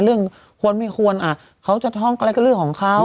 เรื่องดราม่าเรื่องควรไม่ควรอ่ะเขาจะท้องอะไรก็เรื่องของเขา